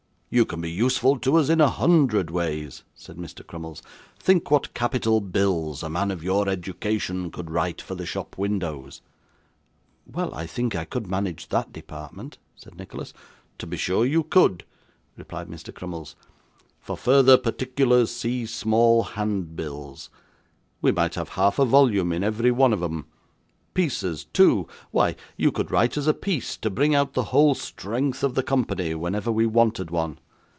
'You can be useful to us in a hundred ways,' said Mr. Crummles. 'Think what capital bills a man of your education could write for the shop windows.' 'Well, I think I could manage that department,' said Nicholas. 'To be sure you could,' replied Mr. Crummles. '"For further particulars see small hand bills" we might have half a volume in every one of 'em. Pieces too; why, you could write us a piece to bring out the whole strength of the company, whenever we wanted one.